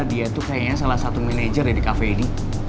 dia tuh kayaknya salah satu manajer ya di cafe ini